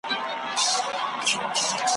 را په برخه له ستړیا سره خواري ده ,